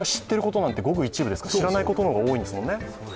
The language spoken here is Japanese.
我々人間が知ってることなんてごく一部ですから知らないことの方が多いんですもんね。